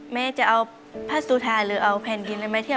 แม่จะเอาผ้าสุทาหรือเอาแพนกินร้ายแม่เทียบ